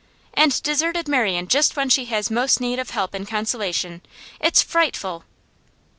'And deserted Marian just when she has most need of help and consolation? It's frightful!